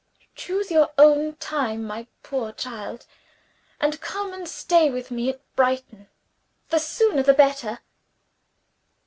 "Choose your own time, my poor child, and come and stay with me at Brighton; the sooner the better."